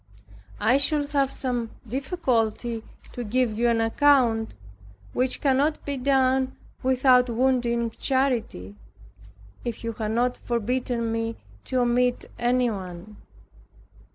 I should have some difficulty to give you an account, which cannot be done without wounding charity, if you had not forbidden me to omit any one.